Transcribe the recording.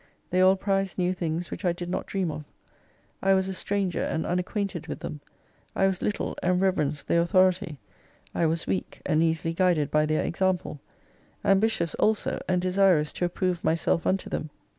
They all prized new things which I did not dream of. I was a stranger and unacquainted with them ; I was little and reverenced their authority ; I was weak, and easily guided by their example ; ambitious also, and desirous to approve myself unto them.